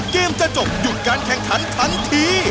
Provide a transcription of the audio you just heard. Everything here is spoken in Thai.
เกมจะจบหยุดการแข่งขันทันที